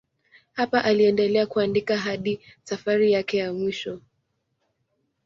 Hapa aliendelea kuandika hadi safari yake ya mwisho.